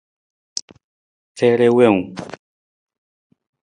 Rere wiwung.